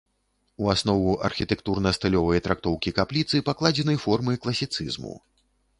У аснову архітэктурна-стылёвай трактоўкі капліцы пакладзены формы класіцызму.